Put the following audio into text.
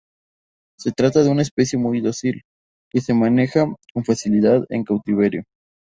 Se trata de una especie muy dócil, que se maneja con facilidad en cautiverio.